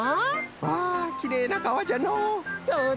わあきれいな川じゃのう！